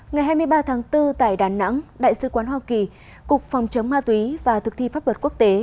ngày hai mươi ba tháng bốn tại đà nẵng đại sứ quán hoa kỳ cục phòng chống ma túy và thực thi pháp luật quốc tế